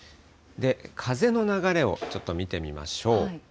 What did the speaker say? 風の流れをちょっと見てみましょう。